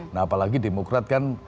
nah apalagi demokrat kan